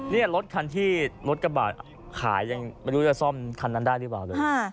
นี่รถคันที่รถกระบาดขายยังไม่รู้จะซ่อมคันนั้นได้หรือเปล่าเลย